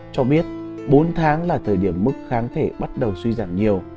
cho biết bốn tháng là thời điểm mức kháng thể bắt đầu suy giảm nhiều